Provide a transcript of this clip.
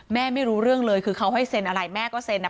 ไม่รู้เรื่องเลยคือเขาให้เซ็นอะไรแม่ก็เซ็นอ่ะ